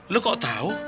lu kok tau